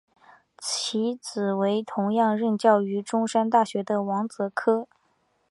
其子为同样任教于中山大学的王则柯。